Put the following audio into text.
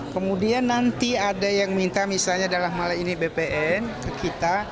kemudian nanti ada yang minta misalnya dalam hal ini bpn ke kita